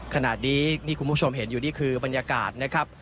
ขณะนี้ที่คุณผู้ชมเห็นอยู่นี่คือบรรยากาศนะครับ